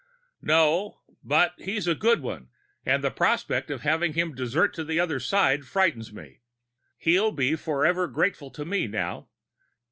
"No. But he's a good one and the prospect of having him desert to the other side frightens me. He'll be forever grateful to me now.